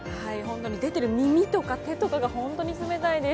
出ている耳とか手とかが本当に冷たいです。